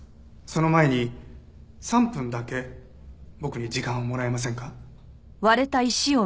その前に３分だけ僕に時間をもらえませんか？